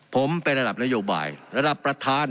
ผมเป็นนัดระบบนโยบ่ายระดับประทาน